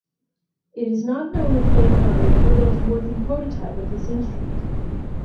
It is not known if Leonardo ever built a working prototype of this instrument.